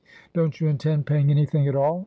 "Don't you intend paying any thing at all ?